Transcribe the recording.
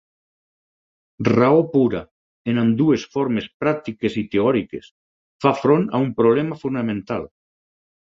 Raó pura, en ambdues formes pràctiques i teòriques, fa front a un problema fonamental.